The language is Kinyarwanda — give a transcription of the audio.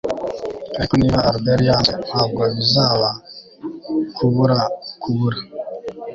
Ariko niba Albert yanze ntabwo bizaba kubura kubura